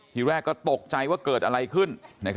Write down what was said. ทีแรกก็ตกใจว่าเกิดอะไรขึ้น